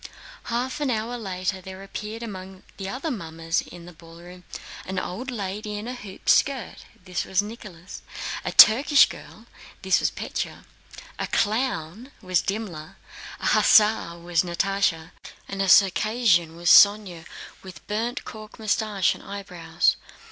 Half an hour later there appeared among the other mummers in the ballroom an old lady in a hooped skirt—this was Nicholas. A Turkish girl was Pétya. A clown was Dimmler. An hussar was Natásha, and a Circassian was Sónya with burnt cork mustache and eyebrows.